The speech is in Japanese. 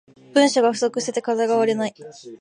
文章が不足してて課題が終わらない